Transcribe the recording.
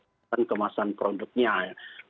produknya ini memang label halal ini bukan hanya terbatas batas